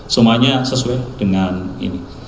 semuanya sesuai dengan ini